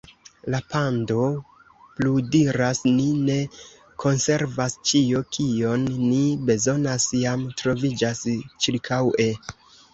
La pando pludiras: "Ni ne konservas. Ĉio, kion ni bezonas jam troviĝas ĉirkaŭe."